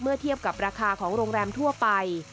เทียบกับราคาของโรงแรมทั่วไป